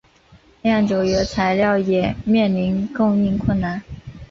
酿酒原材料也面临供应困难。